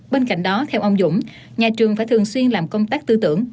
bên cạnh đó theo ông dũng nhà trường phải thường xuyên làm công tác tư tưởng